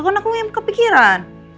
karena aku ingin kepikiran